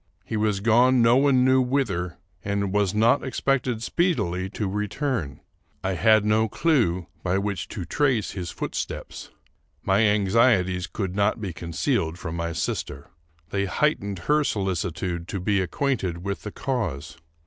He was gone no one knew whither, and was not expected speedily to return. I had no clew by which to trace his footsteps. My anxieties could not be concealed from my sister. They heightened her solicitude to be acquainted with the cause.